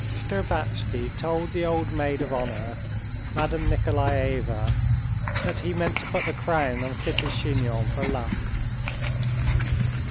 Shtcherbatsky told the old maid of honor, Madame Nikolaeva, that he meant to put the crown on Kitty's chignon for luck.